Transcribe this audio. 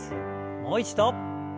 もう一度。